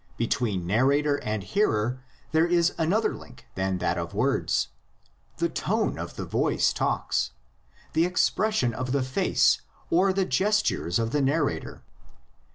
Between narrator and hearer there is another link than that of words; the tone of the voice talks, the expression of the face or the ges tures of the narrator.